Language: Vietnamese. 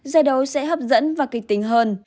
giải đấu sẽ hấp dẫn và kịch tính hơn